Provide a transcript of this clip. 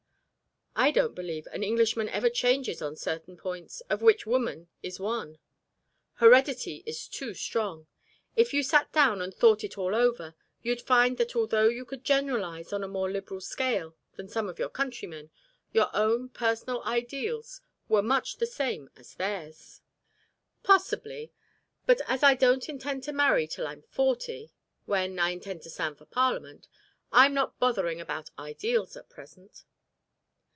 "I don't believe an Englishman ever changes on certain points, of which woman is one; heredity is too strong. If you sat down and thought it all over, you'd find that although you could generalise on a more liberal scale than some of your countrymen, your own personal ideals were much the same as theirs." "Possibly, but as I don't intend to marry till I'm forty, when I intend to stand for Parliament, I'm not bothering about ideals at present."